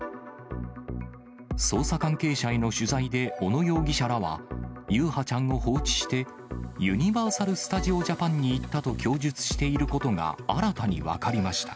捜査関係者への取材で小野容疑者らは、優陽ちゃんを放置して、ユニバーサル・スタジオ・ジャパンに行ったと供述していることが新たに分かりました。